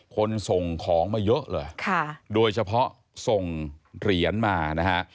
ส่งของมาเยอะเลยโดยเฉพาะส่งเหรียญมานะฮะ